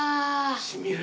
染みる。